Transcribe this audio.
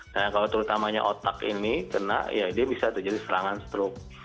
nah kalau terutamanya otak ini kena ya dia bisa terjadi serangan stroke